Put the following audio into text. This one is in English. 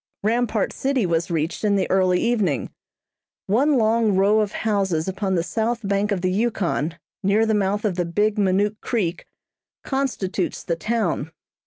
Rampart City was reached in the early evening. One long row of houses upon the south bank of the Yukon, near the mouth of the Big Minook Creek constitutes the town.